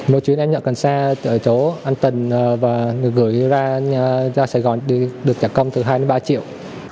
mua chuyến em nhận cần sa ở chỗ anh tần và gửi ra sài gòn được trả công từ hai ba triệu